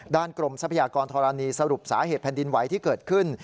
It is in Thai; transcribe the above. กรมทรัพยากรธรณีสรุปสาเหตุแผ่นดินไหวที่เกิดขึ้น